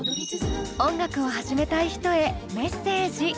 音楽を始めたい人へメッセージ。